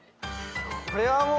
これはもう。